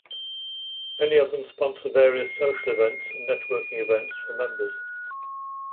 Many of them sponsor various social events and networking events for members.